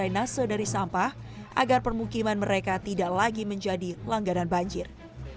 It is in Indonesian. dan mengerai naso dari sampah agar permukiman mereka tidak lagi menjadi langganan banjir